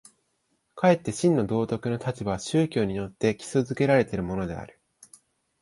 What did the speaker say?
かえって真の道徳の立場は宗教によって基礎附けられるのである。